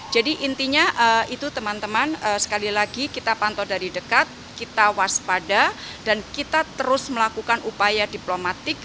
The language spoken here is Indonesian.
jadi intinya itu teman teman sekali lagi kita pantau dari dekat kita waspada dan kita terus melakukan upaya diplomatik